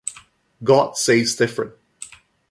God says different.